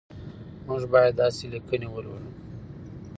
موږ باید داسې لیکنې ولولو.